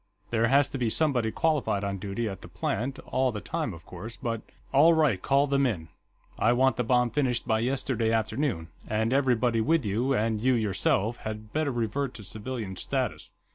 There has to be somebody qualified on duty at the plant, all the time, of course, but...." "All right, call them in. I want the bomb finished by yesterday afternoon. And everybody with you, and you, yourself, had better revert to civilian status.